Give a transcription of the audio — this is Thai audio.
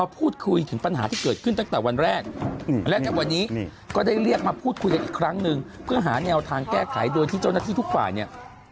เพื่อหาแนวทางแก้ไขโดยที่เจ้าหน้าที่ทุกฝ่าย